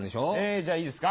じゃあいいですか？